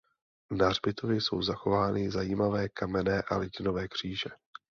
Na hřbitově jsou zachovány zajímavé kamenné a litinové kříže.